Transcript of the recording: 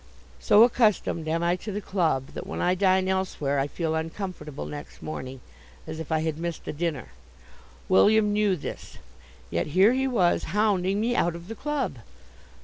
So accustomed am I to the club, that when I dine elsewhere I feel uncomfortable next morning, as if I had missed a dinner. William knew this; yet here he was, hounding me out of the club!